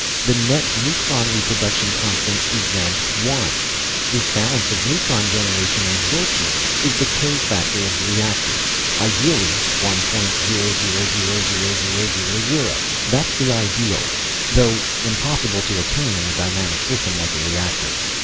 The net neutron reproduction constant is then 1. This balance of neutron generation and absorption is the k factor of the reactor. Ideally 1.0000000. "That's the ideal, though, the impossible to attain in a dynamic system like a reactor.